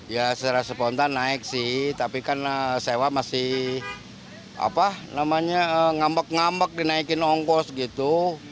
ya secara spontan naik sih tapi kan sewa masih ngambek ngambek dinaikin ongkos gitu